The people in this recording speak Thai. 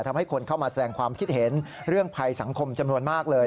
ทำให้คนเข้ามาแสดงความคิดเห็นเรื่องภัยสังคมจำนวนมากเลย